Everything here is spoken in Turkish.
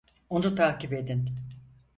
Onu takip edin.